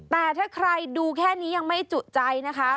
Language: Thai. แต่ถ้าใครดูแค่นี้ยังไม่จุใจนะคะ